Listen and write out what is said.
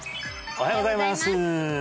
おはようございます